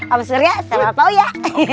om surya sama pak uya